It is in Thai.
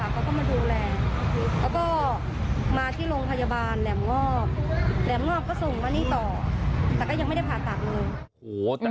แหลมงอบก็ส่งมานี่ต่อแต่ก็ยังไม่ได้ผ่าตัดเลย